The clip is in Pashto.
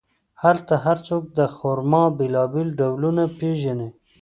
هلته هر څوک د خرما بیلابیل ډولونه پېژني.